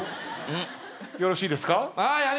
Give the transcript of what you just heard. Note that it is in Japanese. よろしいですか？